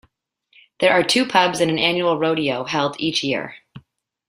There are two pubs and an annual rodeo held each year.